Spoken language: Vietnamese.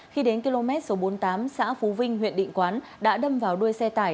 khi đến km số bốn mươi tám xã phú vinh huyện định quán đã đâm vào đuôi xe tải